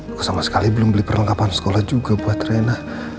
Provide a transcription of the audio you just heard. aku sama sekali belum beli perlengkapan sekolah juga buat reina